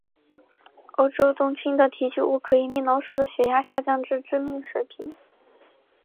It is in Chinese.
欧洲冬青的提取物可以令老鼠的血压下降至致命水平。